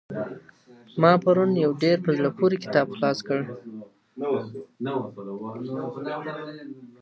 ما پرون يو ډېر په زړه پوري کتاب خلاص کړ.